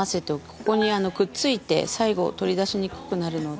ここにくっついて最後取り出しにくくなるので。